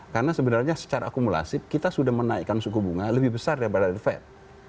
karena sebenarnya secara akumulasi kita sudah menaikan suku bunga lebih besar daripada the fed